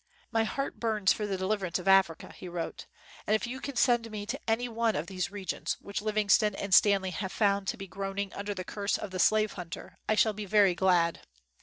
"My heart burns for the deliverance of Africa," he wrote, "and if you can send me to any one of these regions which Living stone and Stanley have found to be groan ing under the curse of the slave hunter I shall be very glad!"